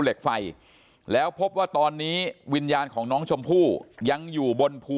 เหล็กไฟแล้วพบว่าตอนนี้วิญญาณของน้องชมพู่ยังอยู่บนภู